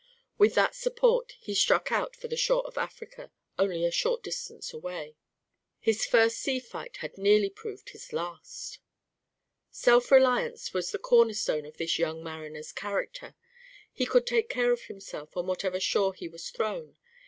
With that support he struck out for the shore of Africa, only a short distance away. His first sea fight had nearly proved his last. Self reliance was the corner stone of this young mariner's character. He could take care of himself on whatever shore he was thrown.